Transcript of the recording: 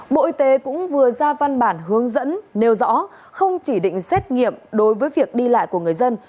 bộ y tế cũng vừa ra văn bản hướng dẫn nêu rõ không chỉ định xét nghiệm đối với việc đi lại của người dân